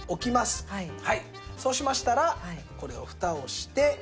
そうしましたらこれをフタをして。